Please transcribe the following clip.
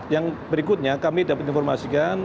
yang berikutnya kami dapat informasikan